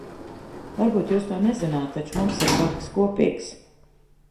Varbūt jūs to nezināt, taču mums ir kaut kas kopīgs.